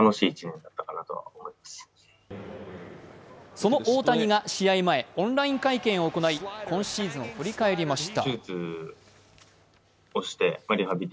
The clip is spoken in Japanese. その大谷が試合前、オンライン会見を行い今シーズンを振り返りました。